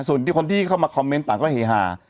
ส่วนที่คนที่เข้ามาคอมเมนต์ต่างก็เฮฮา